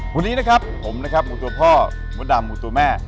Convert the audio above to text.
วันนี้นะครับผมนะครับหมูตัวพ่อมดดำหมูตัวแม่